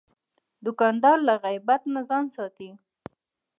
دوکاندار له غیبت نه ځان ساتي.